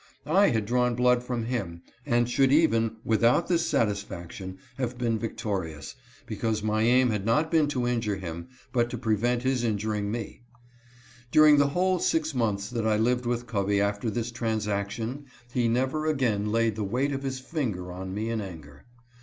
I had drawn blood from him, and should even without this satisfaction have been victo rious, because my aim had not been to injure him, but to prevent his injuring me. During the whole six months that I lived with Covey after this transaction, he never again laid the weight of his TURNING POINT IN THE AUTHOR'S LIFE. 177 finger on me in anger.